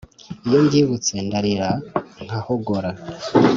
iyo mbyibutse ndarira nkahogora